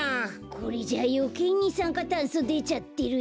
これじゃあよけいにさんかたんそでちゃってるよ。